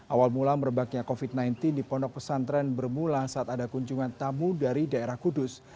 awal mula merebaknya covid sembilan belas di pondok pesantren bermula saat ada kunjungan tamu dari daerah kudus